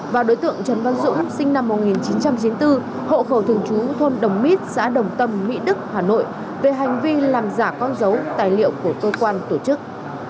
và đối tượng trần văn dũng sinh năm một nghìn chín trăm chín mươi bốn hộ khẩu thường trú thôn đồng mít xã đồng tâm mỹ đức hà nội về hành vi làm giả con dấu tài liệu của cơ quan tổ chức